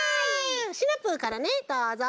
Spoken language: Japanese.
シナプーからねどうぞ。